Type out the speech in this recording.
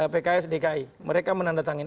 pks dki mereka menandatangin